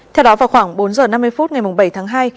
theo đó vào khoảng bốn h ba mươi